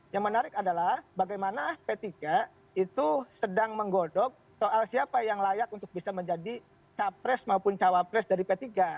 yang menarik adalah bagaimana p tiga itu sedang menggodok soal siapa yang layak untuk bisa menjadi capres maupun cawapres dari p tiga